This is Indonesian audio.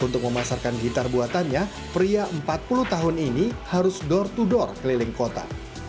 untuk memasarkan gitar buatannya pria empat puluh tahun ini harus door to door keliling kota